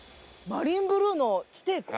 マリンブルーの地底湖？